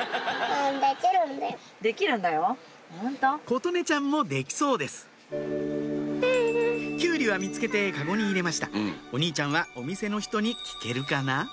琴音ちゃんもできそうですきゅうりは見つけてカゴに入れましたお兄ちゃんはお店の人に聞けるかな？